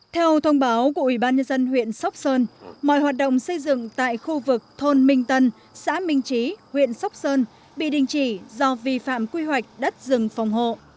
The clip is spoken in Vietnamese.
theo thông báo của ủy ban nhân dân huyện sóc sơn mọi hoạt động xây dựng tại khu vực thôn minh tân xã minh trí huyện sóc sơn bị đình chỉ do vi phạm quy hoạch đất rừng phòng hộ